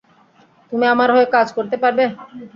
তুমি আমার হয়ে কাজ করতে পারবে।